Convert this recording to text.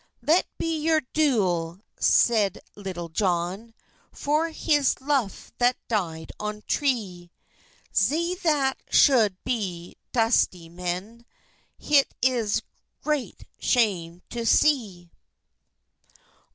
"Let be your dule," seid Litulle Jon, "For his luf that dyed on tre; Ze that shulde be duzty men, Hit is gret shame to se.